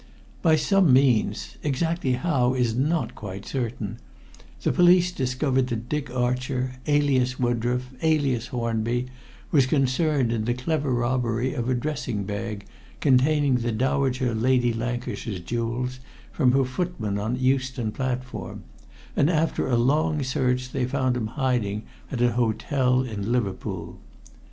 By some means exactly how is not quite certain the police discovered that Dick Archer, alias Woodroffe, alias Hornby, was concerned in the clever robbery of a dressing bag, containing the Dowager Lady Lancashire's jewels, from her footman on Euston platform, and after a long search they found him hiding at an hotel in Liverpool.